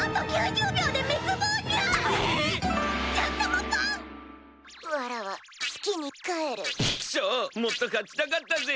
もっと勝ちたかったぜ。